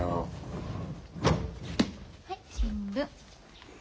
はい新聞。